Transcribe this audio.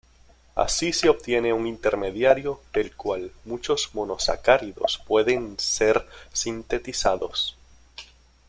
Así se obtiene un intermediario del cual muchos monosacáridos pueden ser sintetizados.